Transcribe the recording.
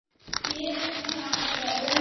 Xatarli har evrilishda